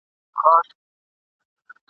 زېری به راسي د پسرلیو ..